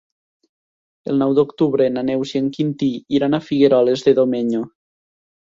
El nou d'octubre na Neus i en Quintí iran a Figueroles de Domenyo.